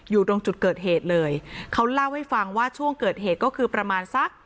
อยู่ตรงจุดเกิดเหตุเลยเขาเล่าให้ฟังว่าช่วงเกิดเหตุก็คือประมาณสัก